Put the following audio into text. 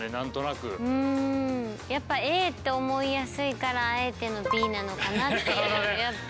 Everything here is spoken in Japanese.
やっぱＡって思いやすいからあえてのＢなのかなっていうやっぱり。